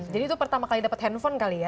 jadi itu pertama kali dapet handphone kali ya